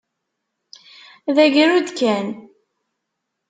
D agrud kan.